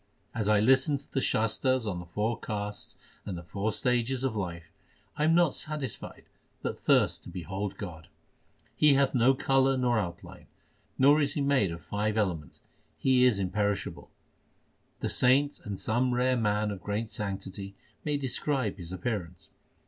As I listen to the Shastars on the four castes and the four stages of life, I am not satisfied but thirst to behold God. He hath no colour nor outline, nor is He made of five elements ; He is imperishable. The saints or some rare man of great sanctity may describe His appearance.